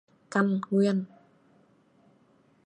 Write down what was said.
căn nguyên